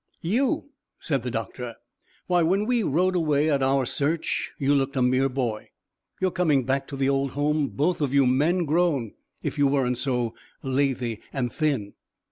"You," said the doctor. "Why, when we rode away on our search you looked a mere boy; you are coming back to the old home both of you men grown, if you weren't so lathy and thin."